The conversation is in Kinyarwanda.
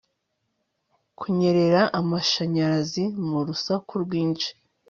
kunyerera amashanyarazi mu rusaku rwinshi